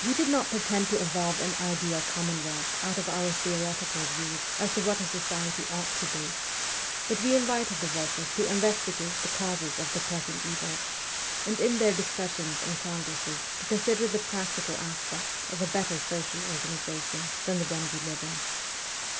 We did not pretend to evolve an ideal commonwealth out of our theoretical views as to what a society ought to be, but we invited the workers to investigate the causes of the present evils, and in their discussions and congresses to consider the practical aspects of a better social organi zation than the one we live in.